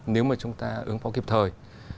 nếu mà chúng ta ứng phó kịp thời